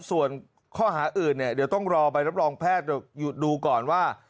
ส่วนข้อหาอื่นเนี่ยเดี๋ยวต้องรอใบรับรองแพทย์ดูก่อนว่า